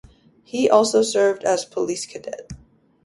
He also served as a police cadet.